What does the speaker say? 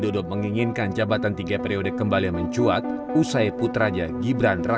wacana perpanjangan jabatan presiden menjadi tiga periode